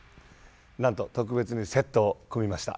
なんと特別にセットを組みました。